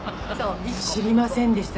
「知りませんでした。